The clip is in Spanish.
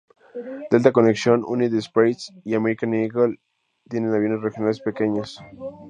Delta Connection, United Express y American Eagle tienen aviones regionales pequeños.